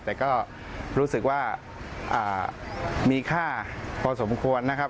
แต่ก็รู้สึกว่ามีค่าพอสมควรนะครับ